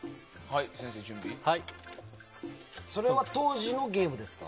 それは当時のゲームですか？